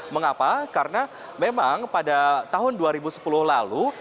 mengapa karena memang pada tahun dua ribu sepuluh lalu